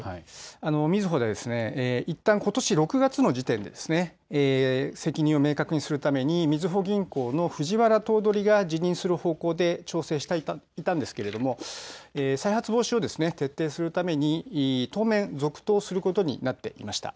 みずほでは、いったんことし６月の時点で責任を明確にするためにみずほ銀行の藤原頭取が辞任する方向で調整していたんですが再発防止を徹底するために当面、続投することになっていました。